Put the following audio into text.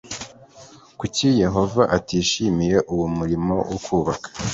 Kuki Yehova atishimiye uwo murimo wo kubaka